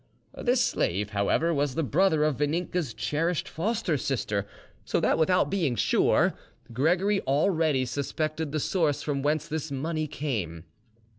This slave, however, was the brother of Vaninka's cherished foster sister, so that, without being sure, Gregory already suspected the source from whence this money came.